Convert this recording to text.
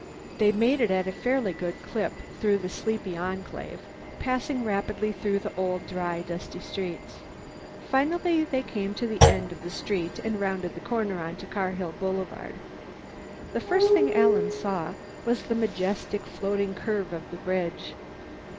They made it at a fairly good clip through the sleepy Enclave, passing rapidly through the old, dry, dusty streets. Finally they came to the end of the street and rounded the corner onto Carhill Boulevard. The first thing Alan saw was the majestic floating curve of the bridge.